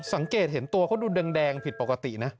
สังเกตเห็นตัวเขาดูแดงผิดปกตินะ